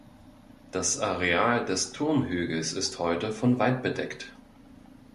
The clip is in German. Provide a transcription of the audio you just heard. Das Areal des Turmhügels ist heute von Wald bedeckt.